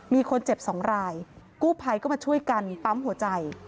มีคนเจ็บสองรายกู้ภัยก็มาช่วยกันปั๊มหัวใจ